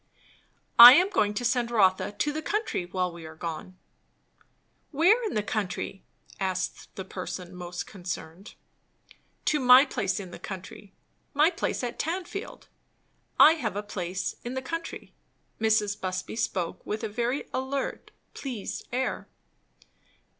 "I am going to send Rotha to the country while we are gone." "Where in the country?" asked the person most concerned. "To my place in the country my place at Tanfield. I have a place in the country." Mrs. Busby spoke with a very alert and pleased air.